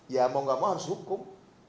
ya mau gak mau harus hukum